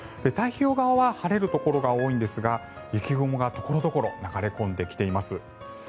太平洋側は晴れるところが多いんですが雪雲が所々、流れ込んできています。